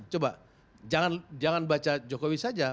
coba jangan baca jokowi saja